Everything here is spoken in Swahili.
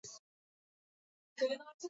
dola milioni mia moja kumi na mbili